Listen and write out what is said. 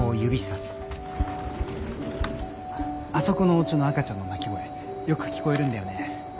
あそこのおうちの赤ちゃんの泣き声よく聞こえるんだよね。